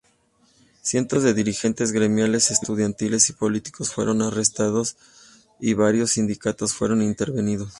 Cientos de dirigentes gremiales, estudiantiles y políticos fueron arrestados, y varios sindicatos fueron intervenidos.